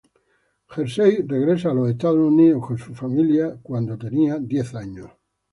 Hersey regresó a los Estados Unidos con su familia cuando tenía diez años.